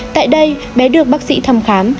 tại đây bé được bác sĩ thăm khám